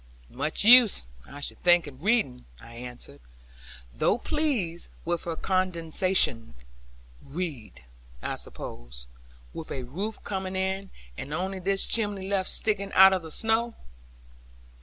'Much use, I should think, in reading!' I answered, though pleased with her condescension; 'read, I suppose, with roof coming in, and only this chimney left sticking out of the snow!'